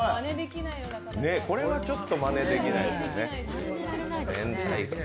これはちょっとまねできない。